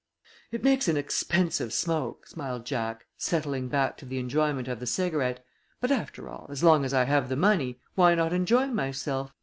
"It makes an expensive smoke," smiled Jack, settling back to the enjoyment of the cigarette, "but after all, as long as I have the money, why not enjoy myself?